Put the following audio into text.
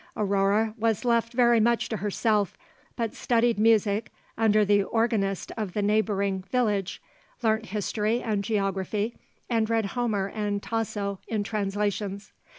Aurore was left very much to herself, but studied music under the organist of the neighbouring village, learnt history and geography, and read Homer and Tasso in translations.